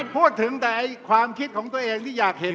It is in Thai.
พูดถึงแต่ความคิดของตัวเองที่อยากเห็น